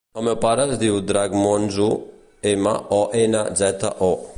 El meu pare es diu Drac Monzo: ema, o, ena, zeta, o.